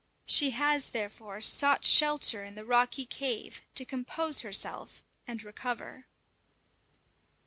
She has, therefore, sought shelter in the rocky cave to compose herself and recover.